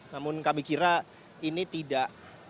namun kami kira ini tidak